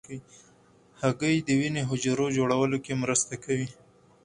هګۍ د وینې حجرو جوړولو کې مرسته کوي.